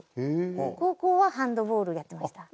高校はハンドボールやってました。